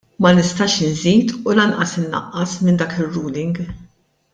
Ma nistax inżid u lanqas innaqqas minn dak ir-ruling.